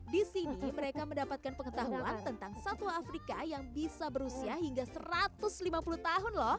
di sini mereka mendapatkan pengetahuan tentang satwa afrika yang bisa berusia hingga satu ratus lima puluh tahun loh